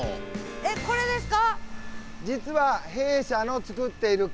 え、これですか。